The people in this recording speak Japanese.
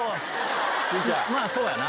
まぁそうやな。